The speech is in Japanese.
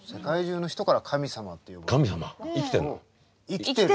生きてる！